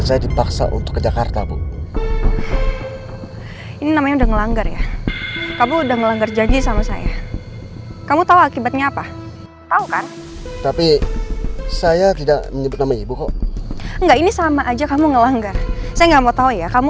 sampai jumpa di video selanjutnya